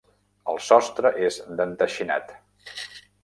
El sostre és d'enteixinat.